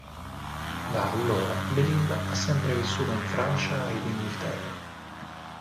Da allora, Belinda ha sempre vissuto in Francia e in Inghilterra.